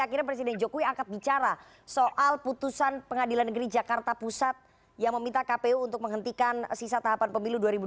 akhirnya presiden jokowi angkat bicara soal putusan pengadilan negeri jakarta pusat yang meminta kpu untuk menghentikan sisa tahapan pemilu dua ribu dua puluh